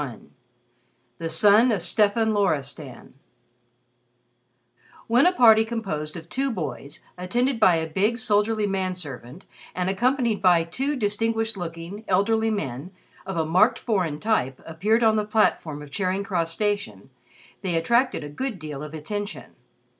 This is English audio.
XXXI "THE SON OF STEFAN LORISTAN" When a party composed of two boys attended by a big soldierly man servant and accompanied by two distinguished looking, elderly men, of a marked foreign type, appeared on the platform of Charing Cross Station they attracted a good deal of attention.